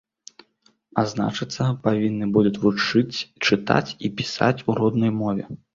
А значыцца, павінны будуць вучыць чытаць і пісаць у роднай мове.